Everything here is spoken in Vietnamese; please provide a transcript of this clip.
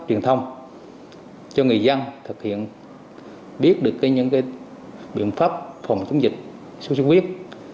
truyền thông cho người dân thực hiện biết được những biện pháp phòng chống dịch sốt xuất huyết